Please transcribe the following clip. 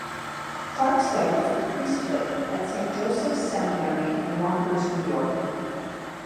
Clark studied for the priesthood at Saint Joseph's Seminary in Yonkers, New York.